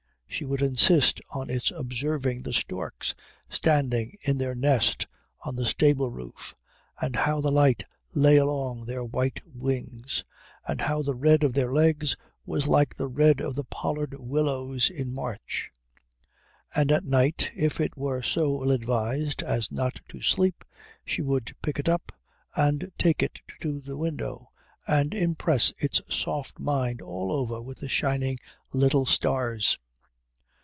She would insist on its observing the storks standing in their nest on the stable roof and how the light lay along their white wings, and how the red of their legs was like the red of the pollard willows in March. And at night, if it were so ill advised as not to sleep, she would pick it up and take it to the window and impress its soft mind all over with shining little stars.